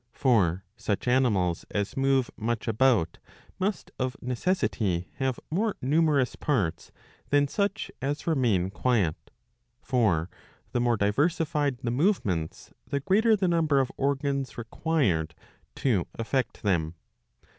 For such animals as move much about must of necessity have more numerous parts than such as remain quiet ; for, the more diversified the movements, the greater the number of organs required to effect them.